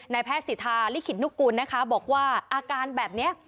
แพทย์สิทธาลิขิตนุกุลนะคะบอกว่าอาการแบบนี้